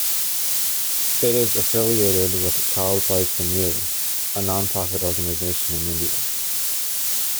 It is affiliated with Child Rights and You, a non-profit organization in India.